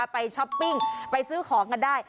ช้อปปิ้งไปซื้อของกันได้